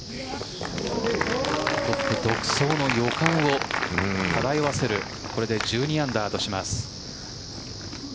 トップ独走の予感を漂わせるこれで１２アンダーとします。